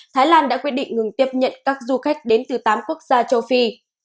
thái lan đã quyết định ngừng tiếp nhận các du khách đến từ tám quốc gia châu phi